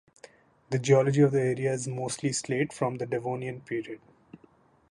The geology of the area is mostly slate from the Devonian period.